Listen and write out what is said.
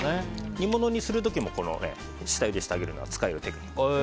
煮物にする時も下ゆでしてあげるのは使えるテクニックです。